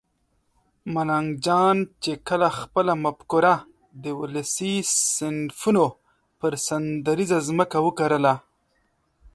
ملنګ جان چې کله خپله مفکوره د ولسي صنفونو پر سندریزه ځمکه وکرله